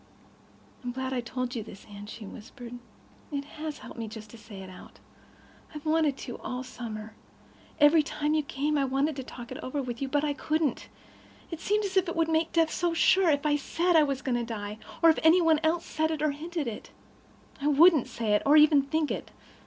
"I'm glad I've told you this, Anne," she whispered. "It has helped me just to say it all out. I've wanted to all summer—every time you came. I wanted to talk it over with you—but I couldn't. It seemed as if it would make death so sure if I said I was going to die, or if any one else said it or hinted it. I wouldn't say it, or even think it.